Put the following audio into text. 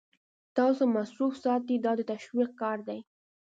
تاسو مصروف ساتي دا د تشویش کار دی.